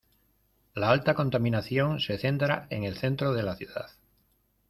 La alta contaminación se centra en el centro de la ciudad.